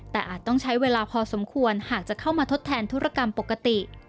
แต่อาจต้องใช้เวลาพอสมควรหากจะเข้ามาทดแทนธุรกรรมปกติ